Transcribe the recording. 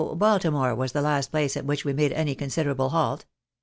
Baltimore was the last place at which we made any con siderable halt.